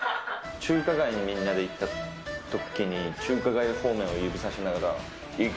中華街にみんなで行ったときに、中華街方面を指さしながら、行く？